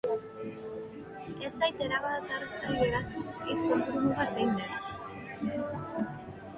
Ez zait erabat garbi geratu hitz kopuru muga zein den.